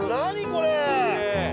これ！